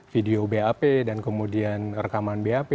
video bap dan kemudian rekaman bap